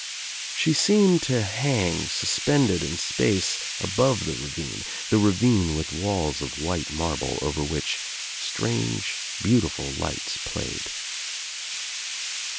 She seemed to hang suspended in space, above the ravine — the ravine with walls of white marble over which strange beautiful lights played.